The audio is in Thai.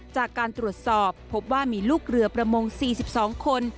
จากการตรวจสอบพบว่ามีลูกเรือประมง๔๒คน